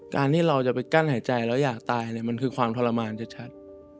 การที่เราจะไปกั้นหายใจแล้วอยากตายมันคือความทรมานชัด